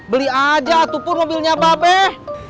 beli aja atupur mobilnya bapak